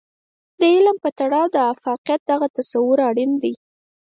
د علم په تړاو د افاقيت دغه تصور اړين دی.